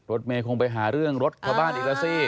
เมย์คงไปหาเรื่องรถชาวบ้านอีกแล้วสิ